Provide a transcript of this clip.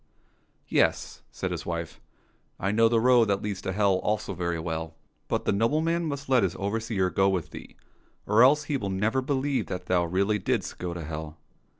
" Yes," said his wife, " I know the road that leads to hell also very well ; but the nobleman must let his overseer go with thee, or else he never will believe that thou really didst go to hell."